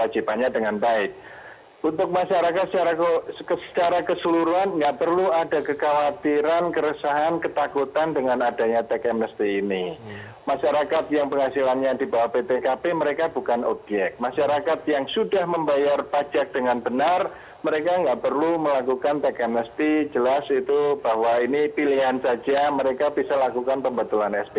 jelas itu bahwa ini pilihan saja mereka bisa lakukan pembetulan spt